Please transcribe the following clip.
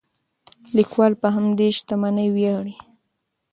لیکوال په همدې شتمنۍ ویاړي.